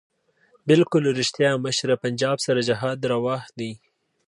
بلکل ريښتيا مشره پنجاب سره جهاد رواح دی